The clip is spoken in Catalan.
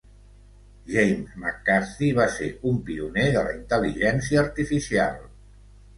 James McCarthy va ser un pioner de la intel·ligència artificial.